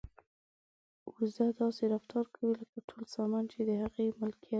وزه داسې رفتار کوي لکه ټول سامان چې د هغې ملکیت وي.